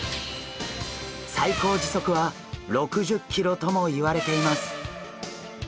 最高時速は６０キロともいわれています。